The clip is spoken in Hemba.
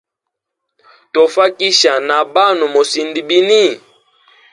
Tofakisha na banwe mosind bini?